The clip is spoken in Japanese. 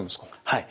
はい。